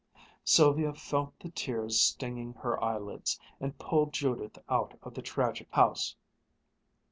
Sylvia felt the tears stinging her eyelids, and pulled Judith out of the tragic house.